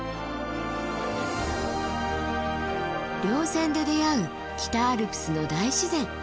稜線で出会う北アルプスの大自然。